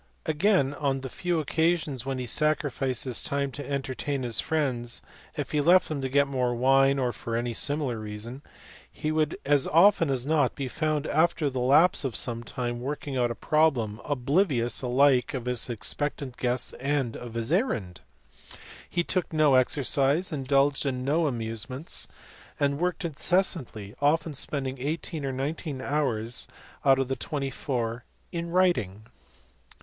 Again on the few occasions when he sacrificed his time to entertain his friends, if he left them to get more wine or for any similar reason, he would as often as not be found after the lapse of some time working out a problem, oblivious alike of his expectant guests and of his errand. He took no exercise, indulged in no amusements, and worked incessantly, often spending eighteen or nineteen hours out of the twenty four in writing.